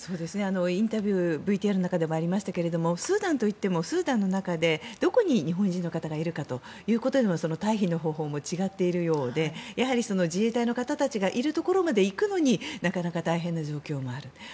インタビューＶＴＲの中でもありましたけれどスーダンといってもスーダンの中でどこに日本人がいるかでも退避の方法も違っているようで自衛隊の方たちがいるところまで行くのになかなか大変な状況もある。